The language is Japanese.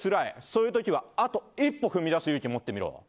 そういう時は、あと一歩踏み出す勇気持ってみろ。